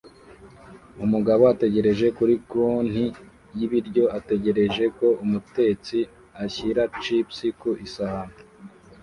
Umugabo ategereje kuri konti y'ibiryo ategereje ko umutetsi ashyira chip ku isahani